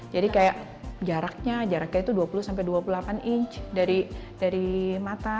jadi kayak jaraknya jaraknya itu dua puluh dua puluh delapan inch dari mata